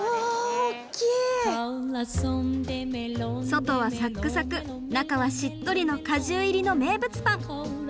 外はサックサク中はしっとりの果汁入りの名物パン。